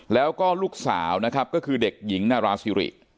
แล้วก็ลูกสาวนะครับก็คือเด็กหญิงนาราซิริ